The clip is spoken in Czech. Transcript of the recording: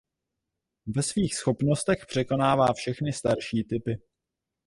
Ve svých schopnostech překonává všechny starší typy.